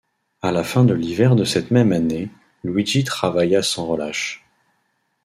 À la fin de l’hiver de cette même année, Luigi travailla sans relâche.